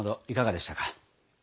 いかがでしたか？